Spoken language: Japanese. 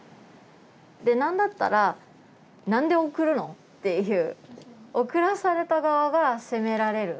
でなんだったら「なんで送るの？」っていう送らされた側が責められる。